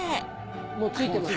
もう付いてます。